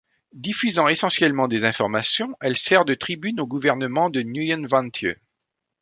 Diffusant essentiellement des informations, elle sert de tribune au gouvernement de Nguyễn Văn Thiệu.